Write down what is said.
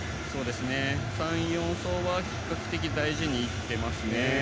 ３、４走は比較的大事にいってますね。